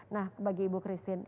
nah bagi ibu christine